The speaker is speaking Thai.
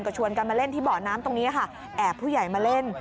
ก็ชวนกันมาเล่นที่เบาะน้ำตรงนี้ค่ะแอบผู้ใหญ่มาเล่น